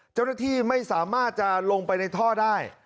เจ้าหน้าที่ไม่สามารถจะลงไปในท่อได้